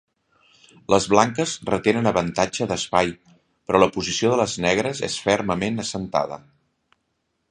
Les blanques retenen avantatge d'espai, però la posició de les negres és fermament assentada.